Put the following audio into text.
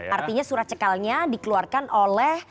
artinya surat cekalnya dikeluarkan oleh